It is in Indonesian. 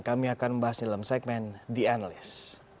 kami akan membahasnya dalam segmen the analyst